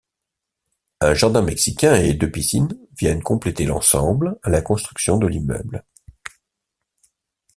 Un jardin mexicain et deux piscines viennent compléter l'ensemble à la construction de l'immeuble.